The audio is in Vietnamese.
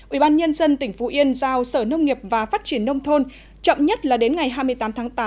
ubnd tỉnh phú yên giao sở nông nghiệp và phát triển nông thôn chậm nhất là đến ngày hai mươi tám tháng tám